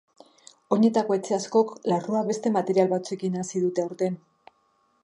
Oinetako etxe askok larrua beste material batzuekin nahasi dute aurten.